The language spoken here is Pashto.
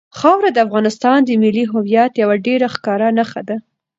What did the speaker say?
خاوره د افغانستان د ملي هویت یوه ډېره ښکاره نښه ده.